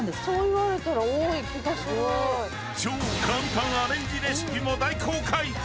超簡単アレンジレシピも大公開。